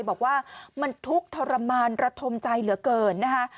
บอกว่ามันทุกข์ทรมานระทมใจเหลือเกินนะคะ